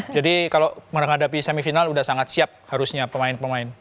jadi kalau menghadapi semifinal sudah sangat siap harusnya pemain pemain